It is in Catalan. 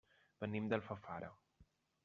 Venim d'Alfafara.